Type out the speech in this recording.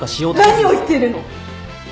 何を言ってるの？